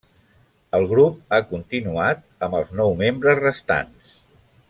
El grup ha continuat amb els nou membres restants.